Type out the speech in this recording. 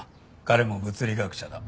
彼も物理学者だ。